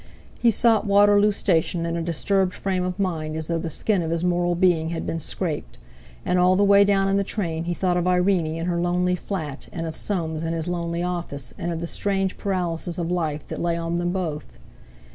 He sought Waterloo Station in a disturbed frame of mind, as though the skin of his moral being had been scraped; and all the way down in the train he thought of Irene in her lonely flat, and of Soames in his lonely office, and of the strange paralysis of life that lay on them both.